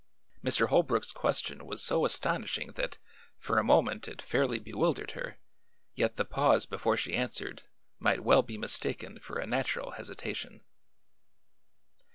Mr. Holbrook's question was so astonishing that for a moment it fairly bewildered her, yet the pause before she answered might well be mistaken for a natural hesitation.